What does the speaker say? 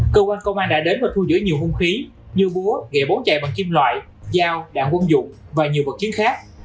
cơ quan công an đã đến và thu giữ nhiều hung khí như búa nghệ bốn chạy bằng kim loại dao đạn quân dụng và nhiều vật chiến khác